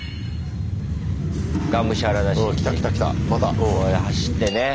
これ走ってね。